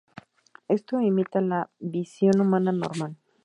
Esto imita la visión humana normal.